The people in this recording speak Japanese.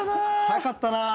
早かったなぁ。